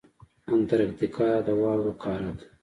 انټارکټیکا د واورو قاره ده.